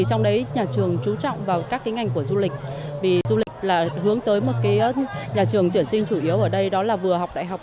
trong đấy nhà trường trú trọng vào các ngành của du lịch vì du lịch là hướng tới một nhà trường tuyển sinh chủ yếu ở đây đó là vừa học đại học